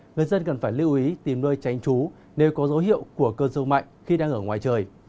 người dân cần phải lưu ý tìm nơi tránh trú nếu có dấu hiệu của cơn rông mạnh khi đang ở ngoài trời